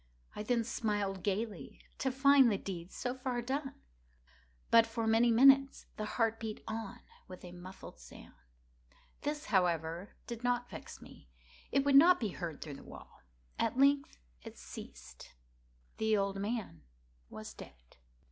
I then smiled gaily, to find the deed so far done. But, for many minutes, the heart beat on with a muffled sound. This, however, did not vex me; it would not be heard through the wall. At length it ceased. The old man was dead.